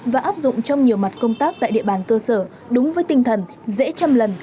và áp dụng trong nhiều mặt công tác tại địa bàn cơ sở đúng với tinh thần dễ trăm lần